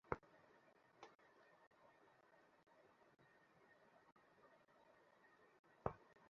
তিনি সম্রাট শাহজাহানের পুত্র।